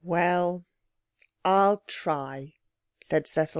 'Well, I'll try,' said Cecil.